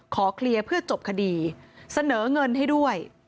ขอเคลียร์เพื่อจบคดีเสนอเงินให้ด้วย